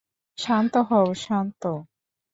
শান্ত হও, শান্ত।